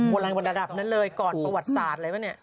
อะไรบนระดับนั้นเลยก่อนประวัติศาสตร์อะไรป่ะเนี่ย